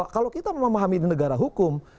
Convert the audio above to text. kalau kita memahami di negara hukum